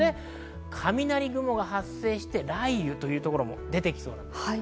雷雲が発生して雷雨というところも出てきそうです。